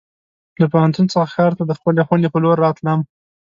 له پوهنتون څخه ښار ته د خپلې خونې په لور راتلم.